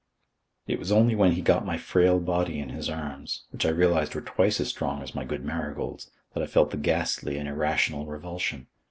It was only when he got my frail body in his arms, which I realized were twice as strong as my good Marigold's, that I felt the ghastly and irrational revulsion.